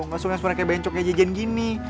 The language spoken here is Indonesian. gak suka yang suaranya kayak bencok kayak jajan gini